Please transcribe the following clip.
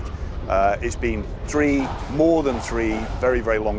sudah tiga tahun lebih dari tiga tahun sangat sangat panjang